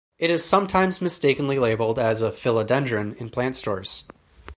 It is sometimes mistakenly labeled as a "Philodendron" in plant stores.